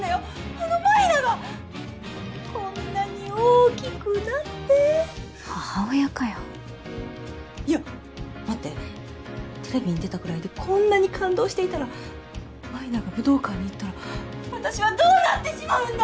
あの舞菜がこんなに大きくなって母親かよいや待ってテレビに出たくらいでこんなに感動していたら舞菜が武道館にいったら私はどうなってしまうんだ！